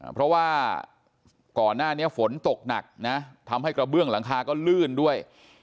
เพราะว่าก่อนหน้านี้ฝนตกหนักนะทำให้กระเบื้องหลังคาก็ลื่นด้วย